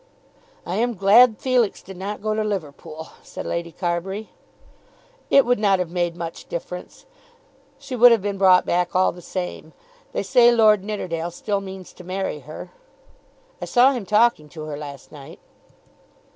"I am glad Felix did not go to Liverpool," said Lady Carbury. "It would not have made much difference. She would have been brought back all the same. They say Lord Nidderdale still means to marry her." "I saw him talking to her last night."